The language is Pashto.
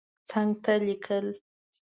څنګ ته لیکل